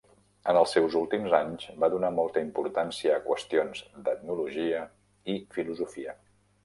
En els seus últims anys, va donar molta importància a qüestions d'etnologia i filosofia.